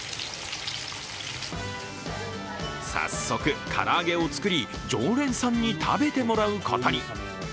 早速、唐揚げを作り、常連さんに食べてもらうことに。